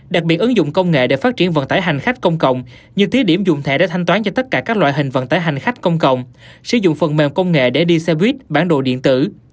đặc biệt ứng dụng công nghệ để phát triển vận tải hành khách công cộng như thí điểm dùng thẻ để thanh toán cho tất cả các loại hình vận tải hành khách công cộng sử dụng phần mềm công nghệ để đi xe buýt bản đồ điện tử